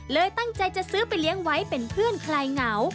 ตั้งใจจะซื้อไปเลี้ยงไว้เป็นเพื่อนคลายเหงา